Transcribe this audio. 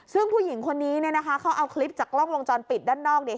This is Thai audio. ซึ่งผู้หญิงคนนี้เนี่ยนะคะเขาเอาคลิปจากกล้องวงจรปิดด้านนอกเนี่ย